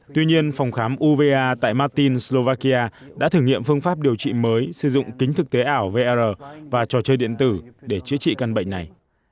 tuy nhiên phòng khám uva tại matin slovakia đã thử nghiệm phương pháp điều trị mới sử dụng kính thực tế ảo vr và trò chơi điện tử để chữa trị căn bệnh này